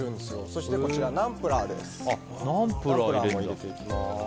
そして、ナンプラーです。